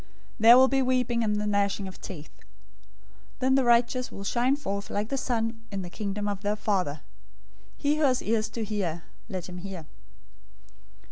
There will be weeping and the gnashing of teeth. 013:043 Then the righteous will shine forth like the sun in the Kingdom of their Father. He who has ears to hear, let him hear.